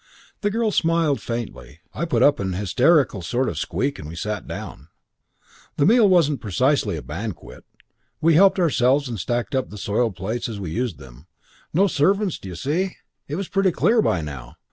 "The girl smiled faintly, I put up an hysterical sort of squeak, and we sat down. The meal wasn't precisely a banquet. We helped ourselves and stacked up the soiled plates as we used them. No servants, d'you see? That was pretty clear by now.